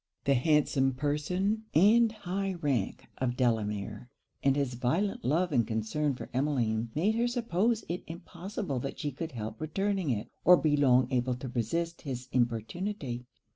The handsome person and high rank of Delamere, and his violent love and concern for Emmeline, made her suppose it impossible that she could help returning it, or be long able to resist his importunity.